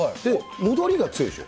戻りが強いでしょ？